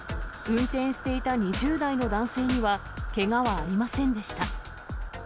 運転していた２０代の男性にはけがはありませんでした。